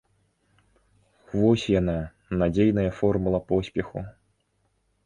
Вось яна, надзейная формула поспеху!